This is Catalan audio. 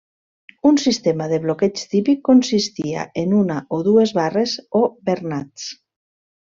Un sistema de bloqueig típic consistia en una o dues barres o bernats.